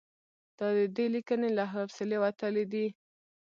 دا د دې لیکنې له حوصلې وتلي دي.